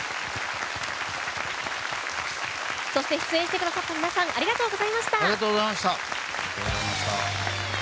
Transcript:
そして出演してくださった皆さんありがとうございました。